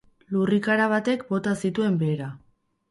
Lurrikara batek bota zituen behera.